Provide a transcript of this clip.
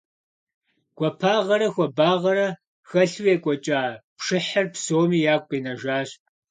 Гуапагъэрэ хуабагъэрэ хэлъу екӀуэкӀа пшыхьыр псоми ягу къинэжащ.